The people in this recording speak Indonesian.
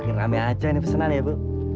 makin rame aja ini pesenan ya bu